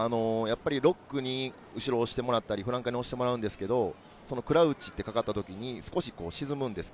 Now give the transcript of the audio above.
ロックに後ろを押してもらったり、フランカーに押してもらうんですけれど、クラウチという声がかかった時に少し沈むんです。